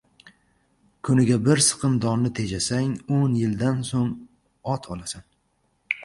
• Kuniga bir siqim donni tejasang, o‘n yildan so‘ng ot olasan.